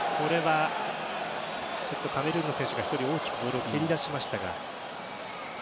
カメルーンの選手が大きくボールを蹴り出しました。